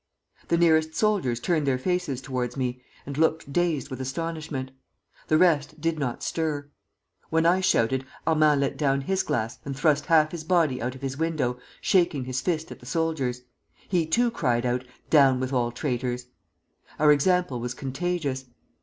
The nearest soldiers turned their faces towards me, and looked dazed with astonishment. The rest did not stir. When I shouted, Armand let down his glass and thrust half his body out of his window, shaking his fist at the soldiers. He too cried out: 'Down with all traitors!' Our example was contagious.